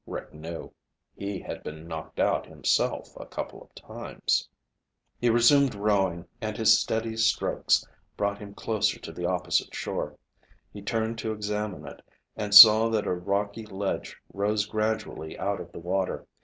Rick knew. He had been knocked out himself a couple of times. He resumed rowing, and his steady strokes brought him closer to the opposite shore. He turned to examine it and saw that a rocky ledge rose gradually out of the water.